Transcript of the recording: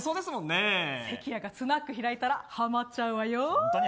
関谷がスナック開いたらハマったわよ。